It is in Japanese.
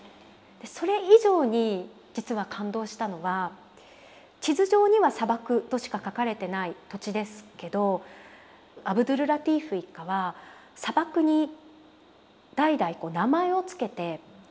それ以上に実は感動したのが地図上には砂漠としか書かれてない土地ですけどアブドュルラティーフ一家は砂漠に代々名前を付けて識別してきていたことなんです。